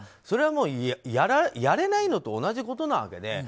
それはもうやれないのと同じことなわけで。